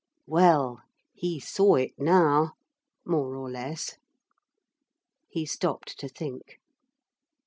Well, he saw it now, more or less. He stopped to think.